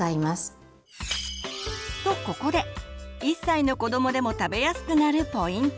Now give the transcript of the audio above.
とここで１歳の子どもでも食べやすくなるポイント！